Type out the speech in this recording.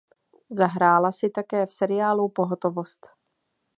Zahrála si také v seriálu "Pohotovost".